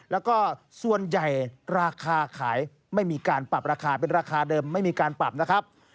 แล้วก็ส่วนใหญ่ราคาขายไม่มีการปรับราคาเป็นราคาเดิมไม่มีการปรับนะครับ